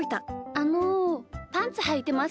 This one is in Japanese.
あのパンツはいてますか？